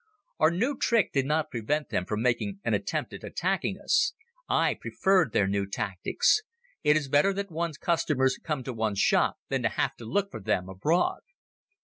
Our new trick did not prevent them from making an attempt at attacking us. I preferred their new tactics. It is better that one's customers come to one's shop than to have to look for them abroad.